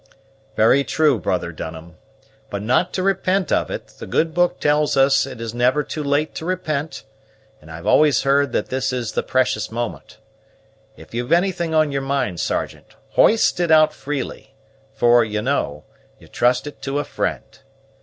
"Very true, brother Dunham, but not to repent of it; the Good Book tells us it is never too late to repent; and I've always heard that this is the precious moment. If you've anything on your mind, Sergeant, hoist it out freely; for, you know, you trust it to a friend.